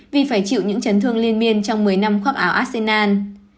vì phải chịu những chấn thương liên miên trong một mươi năm khoác áo arsenal